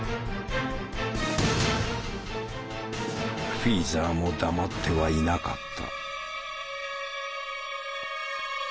フィーザーも黙ってはいなかった。